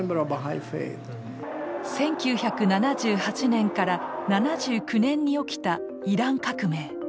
１９７８年から７９年に起きたイラン革命。